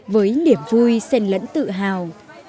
với niềm vui sen lẫn tự hào